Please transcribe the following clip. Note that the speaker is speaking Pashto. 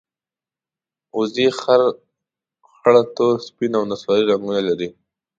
وزې خړ، تور، سپین او نسواري رنګونه لري